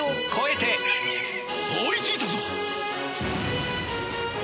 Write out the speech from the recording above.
追いついたぞ！